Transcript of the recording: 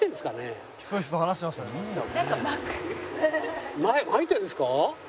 まいてるんですか？